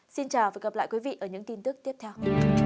xin chào và hẹn gặp lại các bạn trong những tin tiếp theo